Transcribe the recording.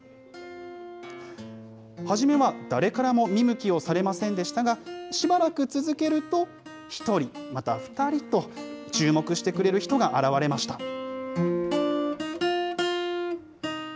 初めは誰からも見向きをされませんでしたが、しばらく続けると、１人、また２人と注目してくれる人が現れました。